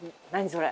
それ。